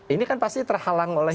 ini kan pasti terhalang oleh